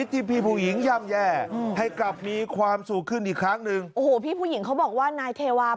จ๊ะจ๊ะจ๊ะจ๊ะจ๊ะจ๊ะจ๊ะจ๊ะจ๊ะจ๊ะ